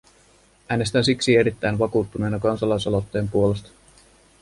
Äänestän siksi erittäin vakuuttuneena kansalaisaloitteen puolesta.